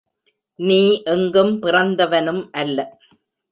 நீ எங்கும் பிறந்தவனும் அல்ல.